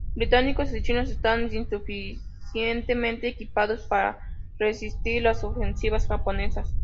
Británicos y Chinos estaban insuficientemente equipados para resistir las ofensivas japonesas.